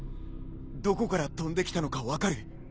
どこから飛んできたのか分かる？